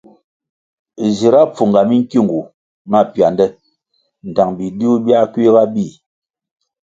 Zira pfunga minkiungu na piande ndtang bidiuh biah kuiga bíh.